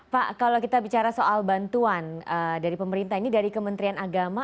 pak kalau kita bicara soal bantuan dari pemerintah ini dari kementerian agama